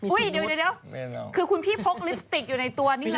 เดี๋ยวคือคุณพี่พกลิปสติกอยู่ในตัวนี่เลย